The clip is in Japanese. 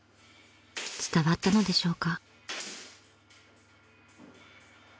［伝わったのでしょうか？］